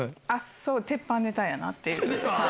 そう、鉄板ネタやなっていう。